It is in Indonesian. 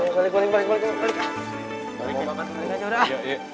balik balik balik